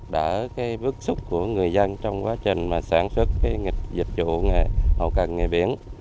đỡ bước xúc của người dân trong quá trình sản xuất dịch vụ hậu cần nghề biển